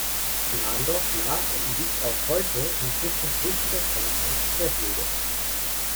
Glandorf lag und liegt auch heute im Schnittpunkt wichtiger Straßen und Verkehrswege.